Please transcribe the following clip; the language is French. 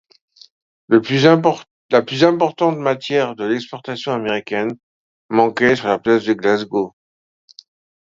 La plus importante matière de l’exportation américaine manquait sur la place de Glasgow.